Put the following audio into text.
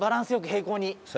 平行に。